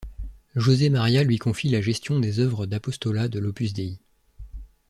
Josémaria lui confie la gestion des œuvres d’apostolat de l'Opus Dei.